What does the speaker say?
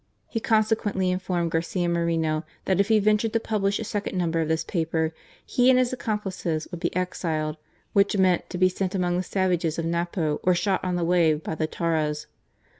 He consequently informed Garcia Moreno that if he ventured to publish a second number of this paper he and his accomplices would be exiled, which meant, to be sent among the savages of Napo or shot on the way by the Tauras.